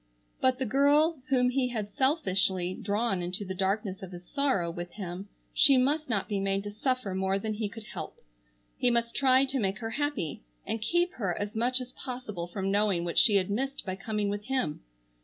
But the girl whom he had selfishly drawn into the darkness of his sorrow with him, she must not be made to suffer more than he could help. He must try to make her happy, and keep her as much as possible from knowing what she had missed by coming with him!